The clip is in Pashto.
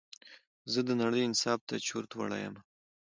زه د نړۍ انصاف ته چورت وړى يمه